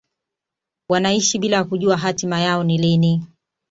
wanaishi bila kujua hatima yao ni lini